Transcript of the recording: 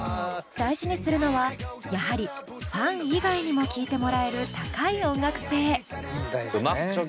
大事にするのはやはりファン以外にも聴いてもらえる高い音楽性。